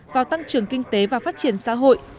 vào tăng trưởng kinh tế và phát triển xã hội